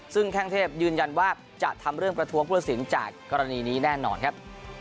ซึ่งแข้งเทพยืนยันว่าจะทำเรื่องประท้วงผู้ตัดสินจากกรณีนี้แน่นอนครับ